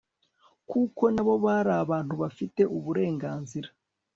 kuko na bo bari abantu bafite uburenganzira